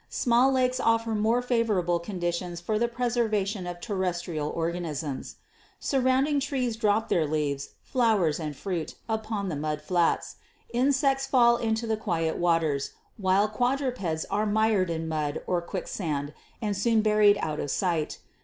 Small lakes offer more favorable conditions for the preservation of terrestrial organisms. Surrounding trees drop their leaves, flowers and fruit upon the mud flats, insects fall into the quiet waters, while quadrupeds are mired in mud or quicksand and soon buried out of sight.